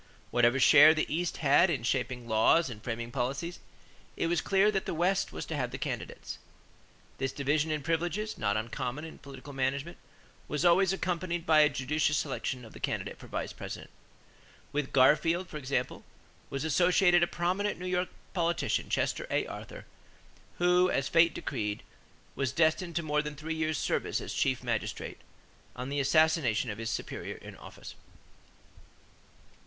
Whatever share the East had in shaping laws and framing policies, it was clear that the West was to have the candidates. This division in privileges not uncommon in political management was always accompanied by a judicious selection of the candidate for Vice President. With Garfield, for example, was associated a prominent New York politician, Chester A. Arthur, who, as fate decreed, was destined to more than three years' service as chief magistrate, on the assassination of his superior in office.